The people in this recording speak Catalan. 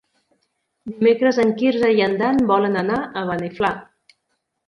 Dimecres en Quirze i en Dan volen anar a Beniflà.